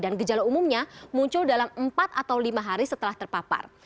dan gejala umumnya muncul dalam empat atau lima hari setelah terpapar